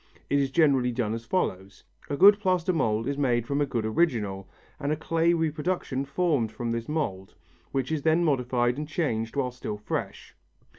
It is generally done as follows. A good plaster mould is made from a good original, and a clay reproduction formed from this mould, which is then modified and changed while still fresh.